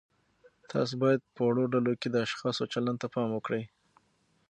تاسو باید په وړو ډلو کې د اشخاصو چلند ته پام وکړئ.